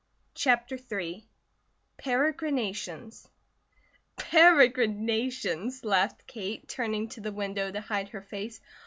CHAPTER III PEREGRINATIONS "PEREGRINATIONS," laughed Kate, turning to the window to hide her face.